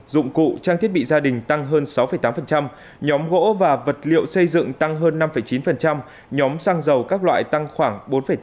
dụng cụ trang thiết bị gia đình tăng hơn sáu tám nhóm gỗ và vật liệu xây dựng tăng hơn năm chín nhóm xăng dầu các loại tăng khoảng bốn tám